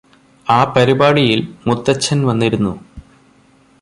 ആ പരിപാടിയില് മുത്തച്ഛന് വന്നിരുന്നു